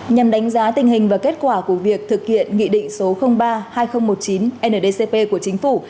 nhằm đánh giá tình hình và kết quả của việc thực hiện nghị định số ba hai nghìn một mươi chín ndcp của chính phủ